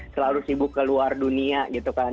selalu sibuk ke luar dunia gitu kan